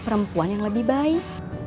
perempuan yang lebih baik